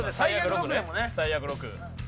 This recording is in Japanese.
最悪６ね